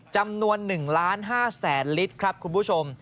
จำนวน๑๕๐๐๐๐๐ลิตรครับคุณผู้ชม